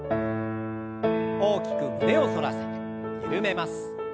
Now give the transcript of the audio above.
大きく胸を反らせてゆるめます。